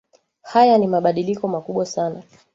haya ni mabadiliko makubwa sana